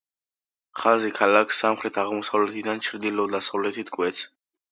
ხაზი ქალაქს სამხრეთ-აღმოსავლეთიდან ჩრდილო-დასავლეთით კვეთს.